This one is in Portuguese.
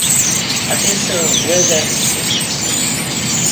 Atenção, o exército!